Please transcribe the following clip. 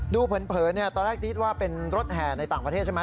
ดูเผินเนี่ยตอนแรกที่ทิศว่าเป็นรถแห่ในต่างประเทศใช่ไหม